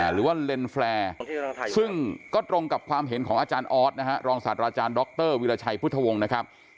หรือว่าเลนส์แฟร์ซึ่งก็ตรงกับความเห็นของอาจารย์ออสนะฮะรองศาสตราจารย์ดรวิราชัยพุทธวงศ์นะครับ